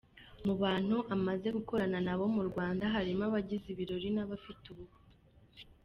Mu bantu amaze gukorana na bo mu Rwanda harimo abagize ibirori n’abafite ubukwe.